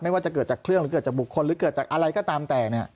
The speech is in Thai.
ว่าจะเกิดจากเครื่องหรือเกิดจากบุคคลหรือเกิดจากอะไรก็ตามแต่